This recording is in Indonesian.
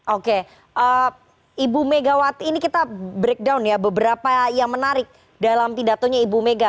oke ibu megawati ini kita breakdown ya beberapa yang menarik dalam pidatonya ibu mega